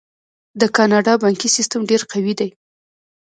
د کاناډا بانکي سیستم ډیر قوي دی.